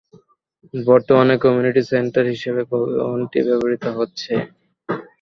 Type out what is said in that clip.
বর্তমানে community centre হিসেবে ভবনটি ব্যবহৃত হচ্ছে।